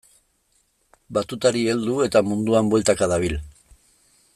Batutari heldu eta munduan bueltaka dabil.